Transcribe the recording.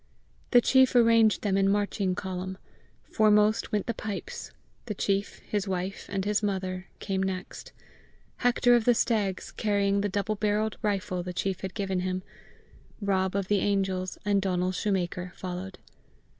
The chief arranged them in marching column. Foremost went the pipes; the chief, his wife, and his mother, came next; Hector of the Stags, carrying the double barrelled rifle the chief had given him, Rob of the Angels, and Donal shoemaker, followed.